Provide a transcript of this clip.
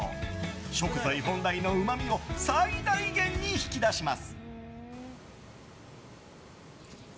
食材本来のうまみを最大限に引き出します。